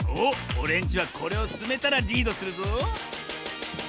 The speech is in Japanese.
オレンジはこれをつめたらリードするぞ。